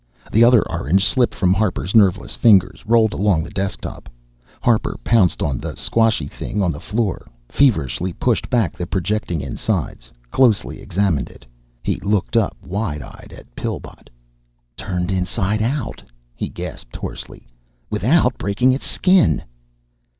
The other orange slipped from Harper's nerveless fingers, rolled along the desk top. Harper pounced on the squashy thing on the floor, feverishly pushed back the projecting insides, closely examined it. He looked up wide eyed at Pillbot. "Turned inside out," he gasped hoarsely, "without breaking its skin!"